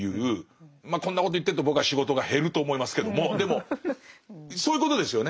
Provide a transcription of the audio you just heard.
まあこんなこと言ってると僕は仕事が減ると思いますけどもでもそういうことですよね？